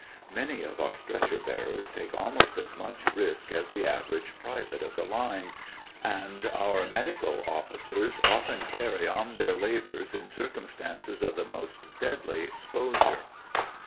Many of our stretcher bearers take almost as much risk as the average private of the line, and our medical officers often carry on their labours in circumstances of the most deadly ex posure.